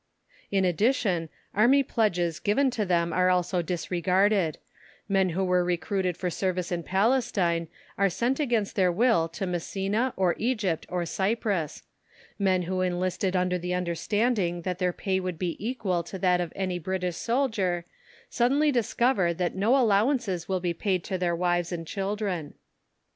In addition, army pledges given to them are also disregarded; men who were recruited for service in Palestine are sent against their will to Messina or Egypt or Cyprus; men who enlisted under the understanding that their pay would be equal to that of any British soldier suddenly discover that no allowances will be paid to their wives and children.